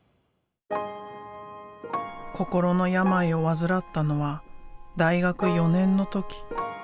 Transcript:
心の病を患ったのは大学４年の時。